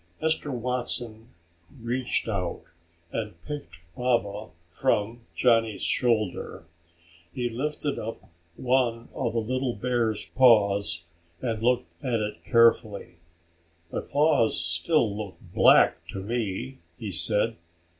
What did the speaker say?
Mr. Watson reached out and picked Baba from Johnny's shoulder. He lifted up one of the little bear's paws and looked at it carefully. "The claws still look black to me," he said.